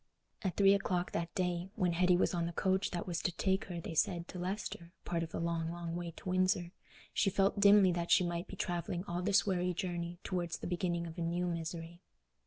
At three o'clock that day, when Hetty was on the coach that was to take her, they said, to Leicester—part of the long, long way to Windsor—she felt dimly that she might be travelling all this weary journey towards the beginning of new misery.